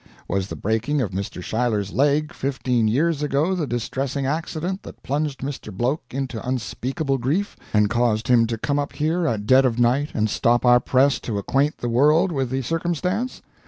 Was the breaking of Mr. Schuyler's leg, fifteen years ago, the "distressing accident" that plunged Mr. Bloke into unspeakable grief, and caused him to come up here at dead of night and stop our press to acquaint the world with the circumstance?